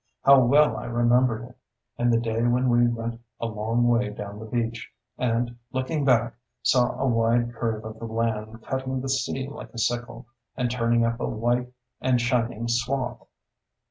How well I remembered it, and the day when we went a long way down the beach, and, looking back, saw a wide curve of the land cutting the sea like a sickle, and turning up a white and shining swath!